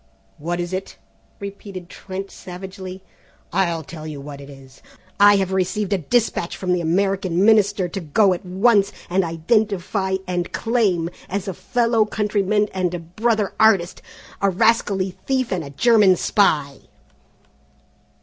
"What is it?" repeated Trent savagely; "I'll tell you what it is. I have received a dispatch from the American Minister to go at once and identify and claim, as a fellow countryman and a brother artist, a rascally thief and a German spy!"